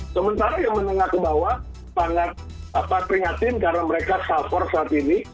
sementara yang menengah ke bawah sangat prihatin karena mereka suffer saat ini